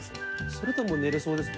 それでもう寝れそうですね。